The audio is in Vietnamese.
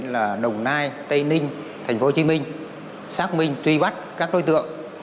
là đồng nai tây ninh tp hcm xác minh truy bắt các đối tượng